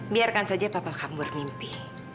biarkan saja papa kamu bermimpi